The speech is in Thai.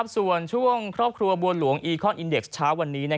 ส่วนช่วงครอบครัวบัวหลวงอีคอนอินเด็กซ์เช้าวันนี้